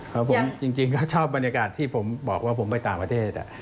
ของผมจริงก็ชอบบรรยากาศที่ผมบอกว่าผมไปต่างประเทศ